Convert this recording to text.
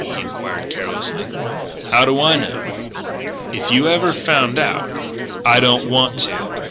he enquired carelessly. "How do I know?" "If you ever found out " "I don't want to.